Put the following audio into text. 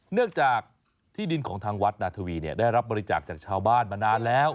เนื่องจากที่ดินของทางวัดนาธวีได้รับบริจาคจากชาวบ้านมานานแล้ว